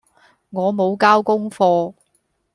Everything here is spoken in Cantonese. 我無交功課